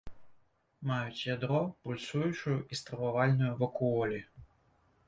Маюць ядро, пульсуючую і стрававальную вакуолі.